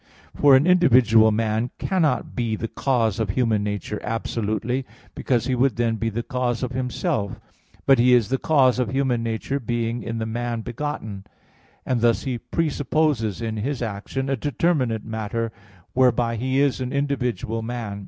For an individual man cannot be the cause of human nature absolutely, because he would then be the cause of himself; but he is the cause of human nature being in the man begotten; and thus he presupposes in his action a determinate matter whereby he is an individual man.